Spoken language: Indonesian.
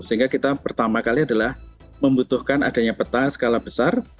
sehingga kita pertama kali adalah membutuhkan adanya peta skala besar